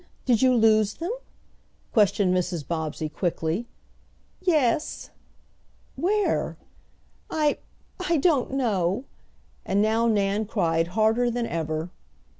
Did you lose them?" questioned Mrs. Bobbsey quickly. "Yes." "Where?" "I I don't know," and now Nan cried harder than ever.